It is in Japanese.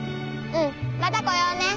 うんまた来ようねえ。